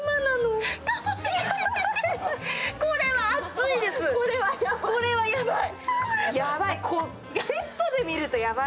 これは熱いです、これはヤバい。